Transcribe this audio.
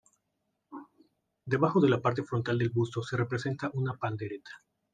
Debajo de la parte frontal del busto se representa una pandereta.